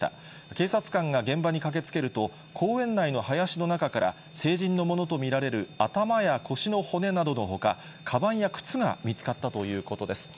警察官が現場に駆けつけると、公園内の林の中から、成人のものと見られる頭や腰の骨などのほか、かばんや靴が見つかったということです。